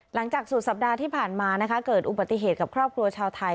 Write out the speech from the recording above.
หลังจากสุดสัปดาห์ที่ผ่านมานะคะเกิดอุบัติเหตุกับครอบครัวชาวไทย